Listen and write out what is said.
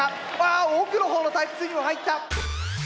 あ奥の方のタイプ２にも入った！